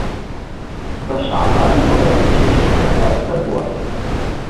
بە شەعبان بڵێن کێشەکە چارەسەر بووە.